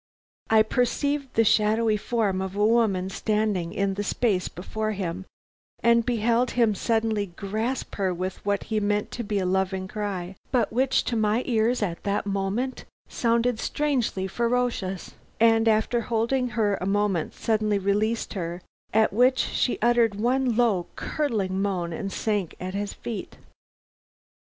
"I perceived the shadowy form of a woman standing in the space before him, and beheld him suddenly grasp her with what he meant to be a loving cry, but which to my ears at that moment sounded strangely ferocious, and after holding her a moment suddenly release her, at which she uttered one low, curdling moan and sank at his feet.